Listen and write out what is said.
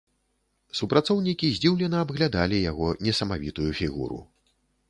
Супрацоўнікі здзіўлена абглядалі яго несамавітую фігуру.